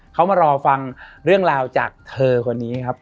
เขามารอฟังเรื่องราวจากเธอคนนี้ครับ